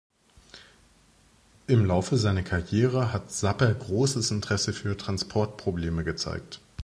Im Laufe seiner Karriere hat Sapper großes Interesse für Transportprobleme gezeigt.